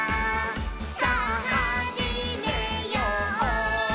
さぁはじめよう」